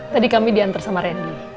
tadi kami diantar sama randy